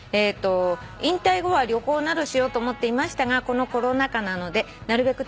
「引退後は旅行などしようと思っていましたがこのコロナ禍なのでなるべく